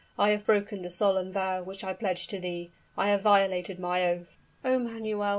I have broken the solemn vow which I pledged thee I have violated my oath " "Oh, Manuel!"